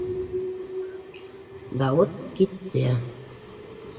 Дауыт китте.